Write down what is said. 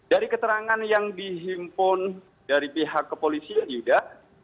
dari keterangan yang dihimpun dari pihak kepolisian yuda